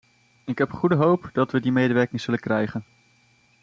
Ik heb goede hoop dat we die medewerking zullen krijgen.